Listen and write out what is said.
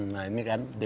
nah ini kan